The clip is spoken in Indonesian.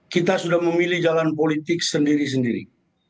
kita sudah memilih jalan politik sendiri sendiri